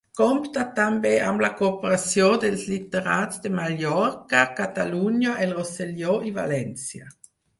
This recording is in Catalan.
Compta, també, amb la cooperació dels literats de Mallorca, Catalunya, el Rosselló i València.